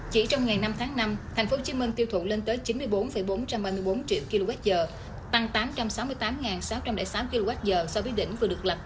chỉ trong ngày năm tháng năm tp hcm tiêu thụ lên tới chín mươi bốn bốn trăm ba mươi bốn triệu kwh tăng tám trăm sáu mươi tám sáu trăm linh sáu kwh so với đỉnh vừa được lập